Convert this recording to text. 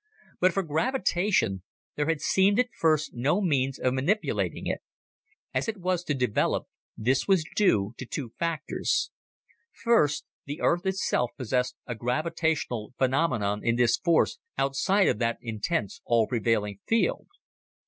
But for gravitation, there had seemed at first no means of manipulating it. As it was to develop, this was due to two factors. First, the Earth itself possessed a gravitational phenomenon in this force outside of that intense, all pervading field.